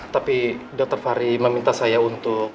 tapi dr fahri meminta saya untuk